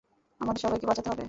আমাদের সবাইকেকে বাঁচাতে হবে।